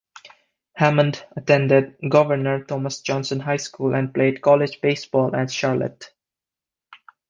Hammond attended Governor Thomas Johnson High School and played college baseball at Charlotte.